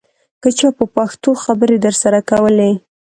که چا په پښتو خبرې درسره کولې.